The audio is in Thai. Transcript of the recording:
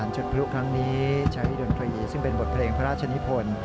จุดพรุ่งครั้งนี้ชาวฮิรุณพระหญิงซึ่งเป็นบทเพลงพระราชนิพนธ์